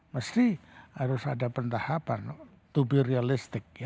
mesti harus ada pentahapan to be realistik